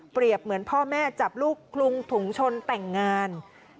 เหมือนพ่อแม่จับลูกคลุมถุงชนแต่งงาน